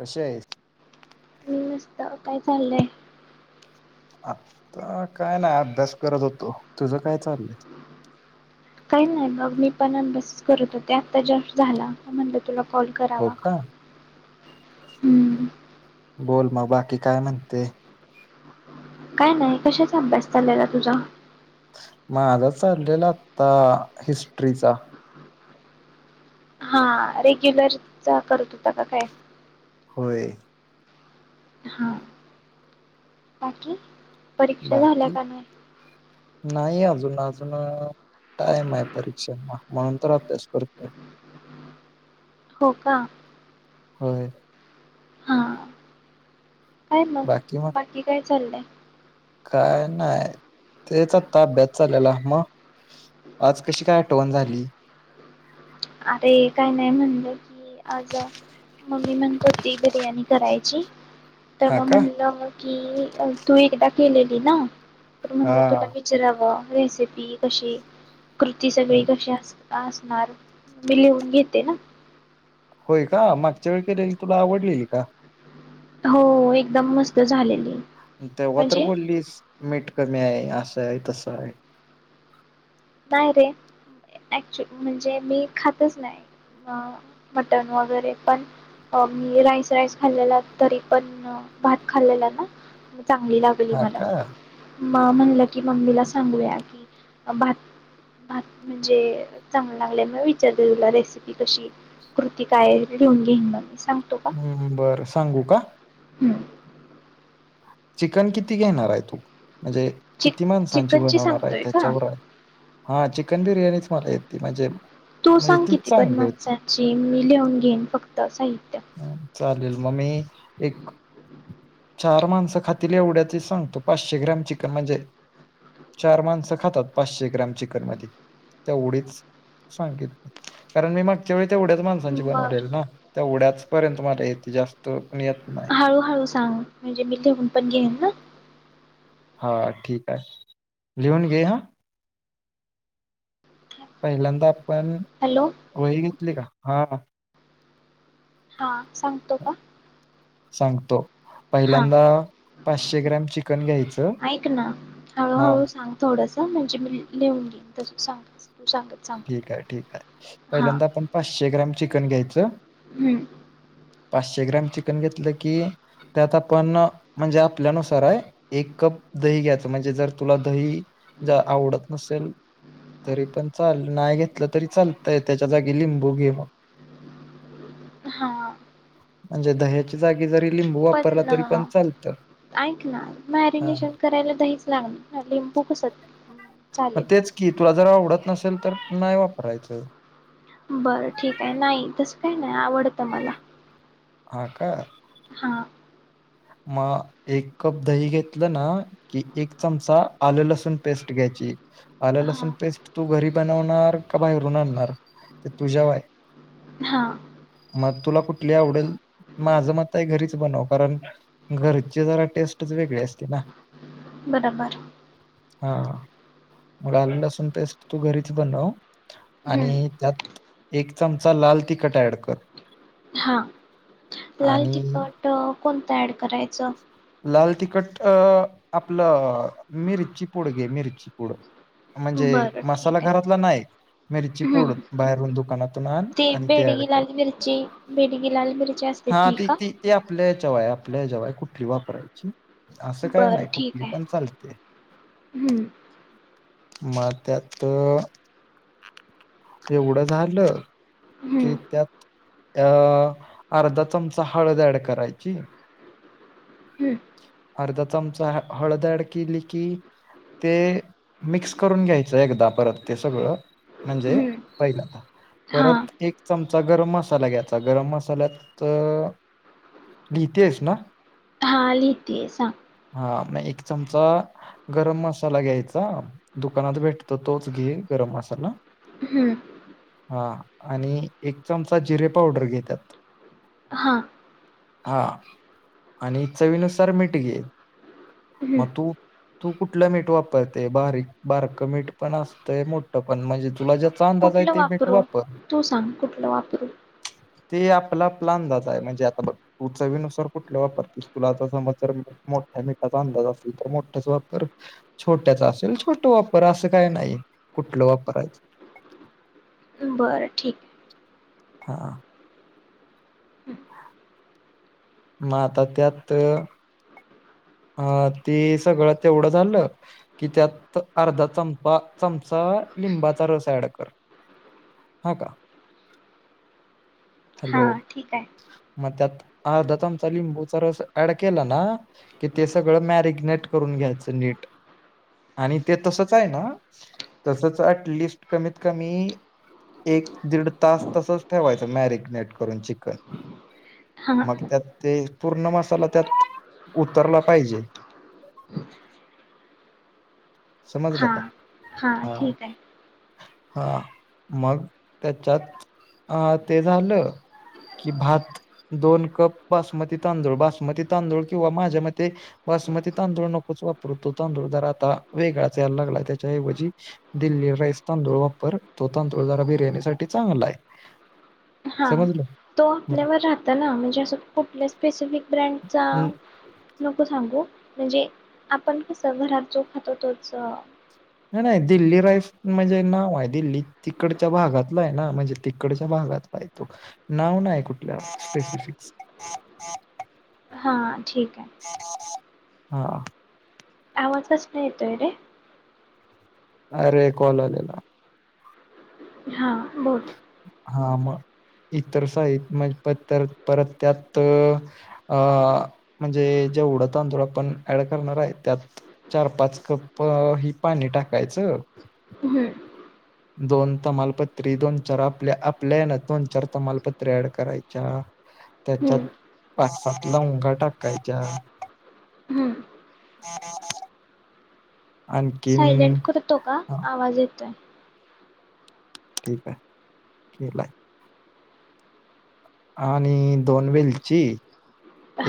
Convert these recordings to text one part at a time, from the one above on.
कशी आहेस? [inaudible] काय चाललंय काय नाही आभ्यास करत होतो. तूझं काय चाललंय? काय नाही मग मी पण अभ्यास करत होते आता जस्ट झाला म्हणून म्हटलं तूला.... काॅल हो करावा. का? [inaudible] बोल मग बाकी काय म्हणते? काय नाही कशाचा अभ्यास चाललेला तूझा माझा चाललेला आता हिस्ट्रीचा हा हा रेगुललचा करत होता का काय? होय..... हा बाकी.. परिक्षा झाल्या बाकी का नाही? नाही अजून अजून टाईम आहे परिक्षेला, म्हणून तर अभ्यास करतोय. हो का.... होय.... हा काय मग बाकी काय? चाललंय.. काय नाय तेच आता अभ्यास चालेला मग... आज कशी काय आठवण झाली? अरे काय नाय म्हटंल की आज मम्मी म्हणतं होती बिर्याणी करायची. तर हा मग का? म्हटलं कि तू एकदा केलेली ना तर म्हटलं तूला हा. विचाराव... रेसिपी कशी? कृती सगळी कशी अस...... आसनार... मी लिहून घेते ना होय का, मागच्या वेळेला केलेली तूला आवडलेली का? हो एकदम मस्त झालेली.... तेव्हा तर म्हणजे बोललीस मीठ कमी आहे असं... असं आहे तसं आहे. काय रे ऍक्च्युली म्हणजे मी खातच नाही ह‌् मटण वगैरे पण मी राईस राईस खालेला तरी पण भात खालेला ना.... चांगली लागली हा मला... का मामा म्हणलं की मम्मीला सांगूया की भात भात म्हणजे चांगलं लागल्यामुळे विचारते तुला रेसिपी कशी कृती काय लिहून घेईन म.... हम्म हम्म बरं सांगू का? हम्म चिकन किती घेणारय तू....... म्हणजे चिक किती माणसांची चिकनची बनवणार आहे सांगतोय का त्याच्यावर आहे. हा चिकन बिर्याणीच मला येते म्हणजे. तू म्हणजे सांग तीच किती पण चांगली होती माणसांची मी लिहून घेईन फक्त साहित्य म मी एक चार माणसं..... खातील एवढ्यांची सांगतो पाचशे ग्राम चिकन म्हणजे चार माणसा खातात पाचशे ग्रॅम चिकन मध्ये तेवढीच सांगेन कारण मी मागच्या वेळे तेवढ्या च माणसांची बर बनवलेली ना तेवढ्याच पर्यंत मला येते जास्त पण येत नाही हळूहळू सांग म्हणजे मी लिहून पण घेईना. हा ठीके आहे लिहून घे हा. पहिल्यांदा पन हॅलो वहि घेतली का? हा हा सांगतो का? सांगतो... हां पहिल्यांदा पाचशे ग्रॅम चिकन घ्यायचं हा... हा म्हणजे मी लिहून घेईल तसं सांग. तू सांगत सांगत ठीके ठीके हां पहिल्यांदा आपण पाचशे ग्रॅम चिकन घ्यायचं पाचशे ग्रॅम.... चिकन घेतलं की त्यात आपण म्हणजे आपल्यानुसार आहे एक कप दही घ्यायचं म्हणजे जर तुला दही जर आवडत नसेल तरी पण चल नाय घेतलं तरी चालतंय त्याच्या जागी लिंबू घे मग..... हा.. म्हणजे दह्याच्या जागी जरी? लिंबू वापरला पण तरी चालतं ऐक ना हा मॅरिनेशन करायला दहीच लागणार ना लिंबू कशा म तेच की तुला जर आवडत.... नसेल तर नाय वापरायचं.... बर ठीके नाही तसं काही नाही आवडत मला. हा का हा. म एक कप दही घेतलं ना की एक चमचा आल्ं लसूण पेस्ट घ्यायची. आलं हां लसूण पेस्ट तू घरी बनवणार का बाहेरून आणणार ते तुझव हाय हा मग तुला कुठली आवडल माज मत हाय घरीच बनव कारण घरची जरा टेस्ट वेगळीच असतीय ना म डबा हा मग तू आले लसूण पेस्ट तू घरीच बनव हं, आणि त्यात एक चमचा लाल टिकतं ऍड कर हा लाला आणि तिखट कोणता ऍड करायच लाल तिखट अ आपलं मिरची पूड घे मिरची पूड. म्हणजे बरं मसाला ठीक आहे घरातला नाय मिरची पुढ हं, बाहेरून दुकानातून आन ते आणि ती ऍड बेडगी कर लाल मिरची बेडगी लाल मिरची असते हा का ती आपल्या हेचवर आहे लय कुठली वापरायची असं काय बरं नाय ठीक कुठली आहे पण चालते हं, मग त्यात तेवढे झालं कि हं, त्यात अर्धा चमचा हळद ऍड करायची हं, अर्धा चमचा हळद ऍड केली कि ते मिक्स करून घ्यायचं आहे एकदा परत ते सगळं हं. हां परत एक चमचा गरम मसाला घेतीये सांग एक चमचा गरम मसाला घ्यायचा दुकानात भेटतो तोच घे गरम मसाला हम्म. हा आणि एक चमचा जिरे पावडर घे त्यात हां हा आणि चवीन मीठ घे हं. मग तू कुठलं मीठ वापरते बारीक बारक मीठ पण असत आणि मोठं पण अंदाज आहे कुठलं ते मीठ वापरू वापर तू सांग कुठलं वापरू ते आपला आपला अंदाज आहे म्हणजे आता बग तू चवी नुसार कुटला वापरतीस तर मोठ्या मिठाचा अंदाज असले तर मोठं वापर नय तर छोट वापर बर ठीक आहे हा मग आता त्यात हा ते सगळं तेवढं झालं कि त्यात अर्धा चमचा लिंबाचा रस ऍड कर हा का हॅलो हां ठीक आहे मग त्यात अर्धा चमचा लिंबुचा रस ऍड केला कि ते सगळं मॅरीगनेट करून घायच नीट आणि ते तसेच आहे ना तसच अटलिस्ट कमीत कमी एक दीड तास तसेच ठेवायचं मेरीग ऍड करून चिकन मग हां त्यात ते पूर्ण मसाला त्यात उतरला पाहिजे समजलं हा का हा ठीक आहे हा मग त्याच्यात ते झालं कि भात दोन कप बासमती तांदूळ बासमती तांदूळ किंवा माझा मते बासमती तांदूळ नकोच वापरू तो तांदूळ जरा वेगळाच यायला लागलाय त्याचा ऐवजी दिल्ली राईस तांदूळ वापर तो तांदूळ जरा बिर्याणी साठी चांगलाय हा तो आपल्यावर राहतो ना म्हणजे अस कुठलेच तेच मी ब्रँडचा हम्म, नको सांगू म्हणजे आपण कसं घरात जो खातो तोच नाही नाही दिल्ली राईस म्हणजे नाव हाय दिल्ली तिकडच्या भागातला आहे ना तू म्हणजे तिकडच्या भागातला तो नाव नाही कुठलं हा [inaudible] हा आवाज कसला येतोय रे अरे कॉल आलेला. हा बोल. हा मग इतर साहित्य म्हणजे प तर परत त्यात आ म्हणजे जेवढे तांदूळ आपण ऍड करणार आहे त्यात चार-पाच कप ही पाणी टाकायचं. हं, दोन तमालपत्री दोन-चार आपल्या हेन दोन-चार तमालपत्री ॲड करायच्या हं, त्याच्यात पाच् सात लवंगा टाकायच्या हं. आणखीन सायलेंट करतो का हा आवाज येतोय ठीक हाय केलाय? आणि दोन वेलची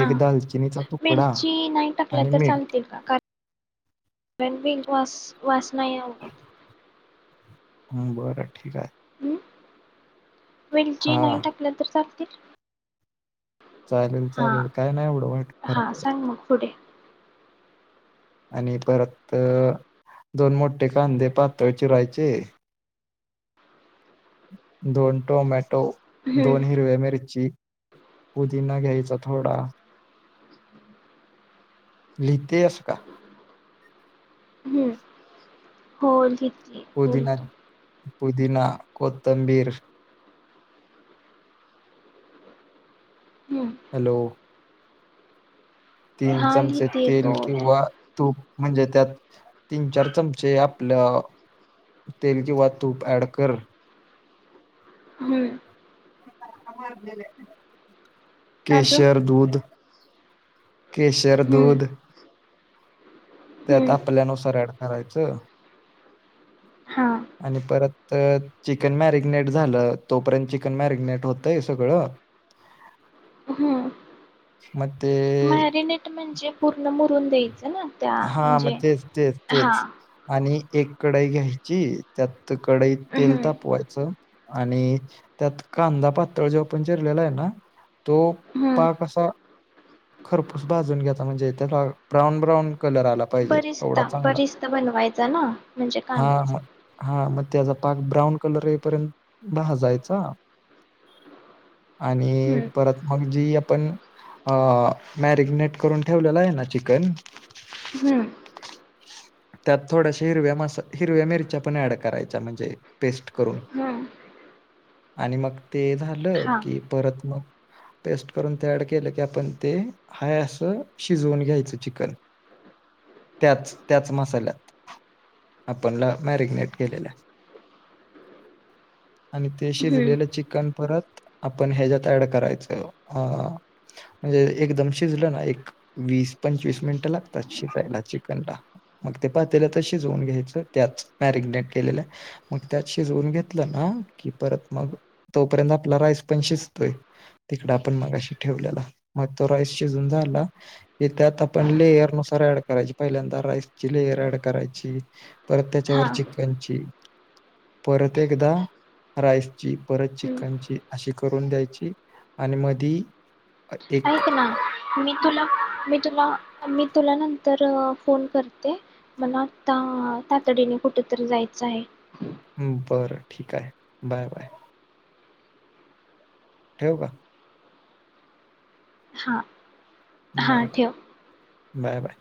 एक दालचिनी मिरची नाही टाकल्या तर चालतील का कार [inaudible] वास नाही आवडत बर ठीक हाय हम्म वेलची नाही टाकल्या तर चाल [inaudible] चालेल चालेल काय नाही एवढं वाटेल फार हा पडत सांग मग पुढे आणि परत दोन मोठे कांदे पातळ चिरायचे दोन टोमॅ हम्म दोन हिरव्या मिरची पुदिना घ्यायचा थोडा लिहिते हास का हम्म हो लि पुदिना पुदिना कोथंबीर हम्म हॅलो तीन हा चमचे लिहिते तेल बोल किंवा तूप म्हणजे त्यात तीन-चार चमचे आपल तेल किंवा तूप ॲड कर हम्म [inaudible] अजून केशर दूध केशर हम्म दूध त्यात हम्म आपल्यानुसार ऍड करायचं हा आणि परत चिकन मॅरीगनेट झाल तोपर्यंत चिकन मॅरीगनेट होते सगळं मग ते मॅरीनेट म्हणजे पूर्ण मुरून दे हा म तेच तेच हा तेच अणि एक कडई घ्यायची त्यात कडईत तेल हम्म तापवायचं आणि त्यात कांदा पातळ जो आपण चिरलेला आहे ना तो हम्म पाक असा खरपूस भाजून घ्यायचा म्हणजे त्याला ब्राऊन ब्राऊन कलर आला पाहिजे एवढा बरिस्ता चांगला बरिस्ता बनवायचा ना म्हणजे हा कांद्याचा मग हा मग त्याचा पाक ब्राऊन कलर येईपर्यंत भाजायचा आणि हम्म परत मग जी आपण मॅरीगनेट करून ठेवलेला आहे ना चिकन हम्म त्यात थोड्याशा हिरव्या मसा हिरव्या मिरच्या पण अँड करायच्या म्हणजे पेस्ट करून हम्म आणि मग ते झालं हा की परत मग पेस्ट करून तयार केल की आपण ते हाय असं शिजवून घ्यायचं चिकन त्याच त्याच मसा साल्यात आपण मॅरीगनेट केलेल्या आणि ते हम्म शिजलेलं चिकन परत आपण ह्याच्यात ऍड करायचं अ म्हणजे एकदम शिजलं ना एक वीस पंचवीस मिनिटे लागतात शिजायला चिकनला मग ते पातेल्यातच शिजवून घेयचं त्याचं मॅरीनेट केलेल्या मग त्यात शिजवून घेतलं ना की परत मग तोपर्यंत आपला राईस पन शिजतोय तिकड आपण मगाशी ठेवलेला मग तो राईस शिजवून झाला की त्यात आपण लेयरनुसार ऍड करायची पहिल्यांदा राईस ची लेयर ॲड करायची परत हा त्याच्यावर चिकन ची परत एकदा राईस ची परत हम्म चिकनची अशी करून द्यायची आणि मधी एक ऐक ना मी तुला मी तुला मी तुला नंतर फोन करते मला आत्ता तातडीने कुठे तरी जायचं आहे. हम बर ठीक आहे बाय बाय. ठेऊ का? हा हा बाय बाय ठेव. Bye bye.